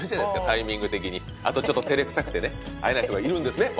タイミング的にあとちょっと照れくさくてね会えない人がいるんですね